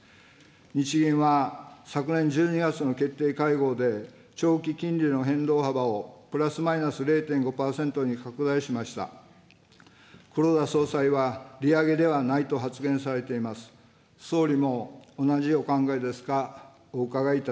日銀は昨年１２月の決定会合で、長期金利の変動幅をプラスマイナス０．５％に拡大しました。